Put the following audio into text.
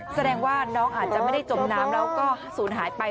แสดงว่าน้องอาจจะไม่ได้จมน้ำแล้วก็ศูนย์หายไป